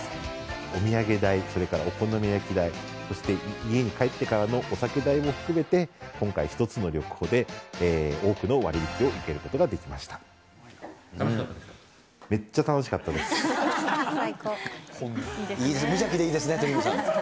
お土産代、それからお好み焼き代、そして家に帰ってからのお酒代も含めて今回、一つの旅行で多くの楽しかったですか？